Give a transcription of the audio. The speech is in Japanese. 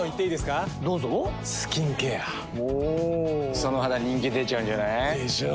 その肌人気出ちゃうんじゃない？でしょう。